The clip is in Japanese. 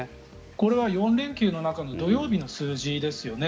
これは４連休の中の土曜日の数字ですよね。